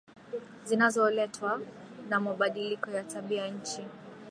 zinazoletwa na mabadiliko ya tabia nchi